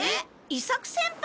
伊作先輩！？